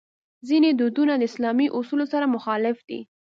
ځینې دودونه د اسلامي اصولو سره مخالف دي.